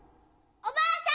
おばあさん